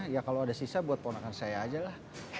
ya kalau ada sisa buat ponakan saya aja lah